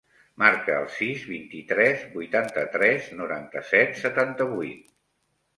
Marca el sis, vint-i-tres, vuitanta-tres, noranta-set, setanta-vuit.